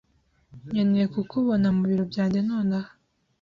nkeneye kukubona mubiro byanjye nonaha.